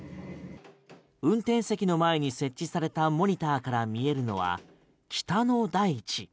運転席の前に設置されたモニターから見えるのは北の大地。